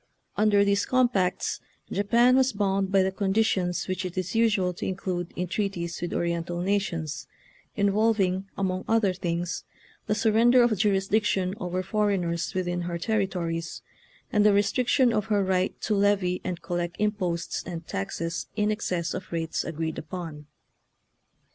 Under these compacts Japan was bound by the conditions which it is usual to include in treaties with Oriental nations, involving, among other things, the surrender of jurisdiction over foreigners within her territories and the restriction of her right to levy and collect imposts and taxes in excess of rates agreed upon.